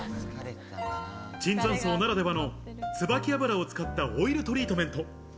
椿山荘ならではの椿油を使ったオイルトリートメント。